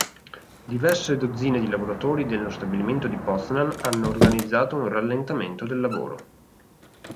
Diverse dozzine di lavoratori nello stabilimento di Poznan hanno organizzato un rallentamento del lavoro.